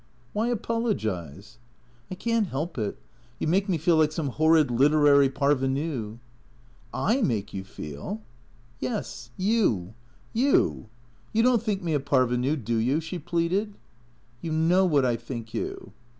" Why apologize ?"" I can't help it. You make me feel like some horrid literary parvenu." " I make you feel ?"" Yes. You — you. You don't think me a parvenu, do you ?" she pleaded. " You know what I think you."